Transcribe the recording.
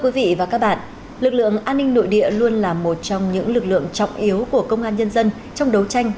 quý vị và các bạn lực lượng an ninh nội địa luôn là một trong những lực lượng trọng yếu của công an nhân dân trong đấu tranh